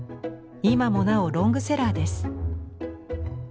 今もなおロングセラーです。